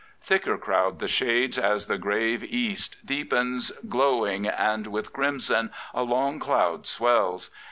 Thicker crowd the shades as the grave East deepens Glowing, and with crimson a long cloud swells.